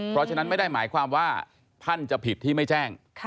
เพราะฉะนั้นไม่ได้หมายความว่าท่านจะผิดที่ไม่แจ้ง